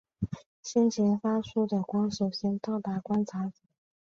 先前发出的光首先到达观察者。